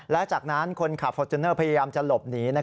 และจากนั้นคนขับฟอร์จูเนอร์พยายามจะหลบหนี